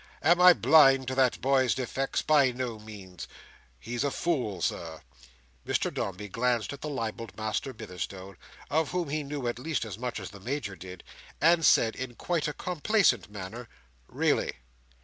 Am I blind to that boy's defects? By no means. He's a fool, Sir." Mr Dombey glanced at the libelled Master Bitherstone, of whom he knew at least as much as the Major did, and said, in quite a complacent manner, "Really?"